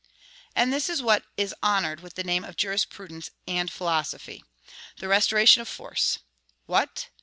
'" And this is what is honored with the name of jurisprudence and philosophy, the restoration of force. What!